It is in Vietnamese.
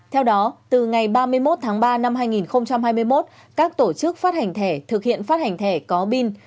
theo đó từ ngày ba mươi một tháng ba năm hai nghìn hai mươi một các tổ chức phát hành thẻ thực hiện phát hành thẻ có bin